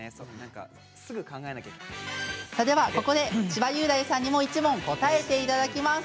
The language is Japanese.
さあでは、ここで千葉雄大さんにも１問、答えていただきます。